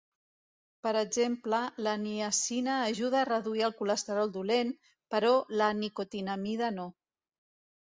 Per exemple, la niacina ajuda a reduir el colesterol dolent però la nicotinamida no.